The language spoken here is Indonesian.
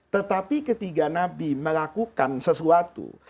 tetapi ketika nabi melakukan sesuatu